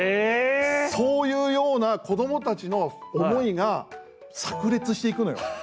そういうような子どもたちの思いがさく裂していくのよ。